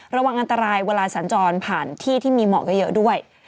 ระวังอันตรายเวลาสัญจรผ่านที่ที่มีหมอกเยอะด้วย